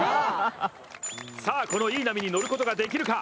このいい波に乗ることができるか。